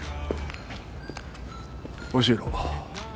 教えろ。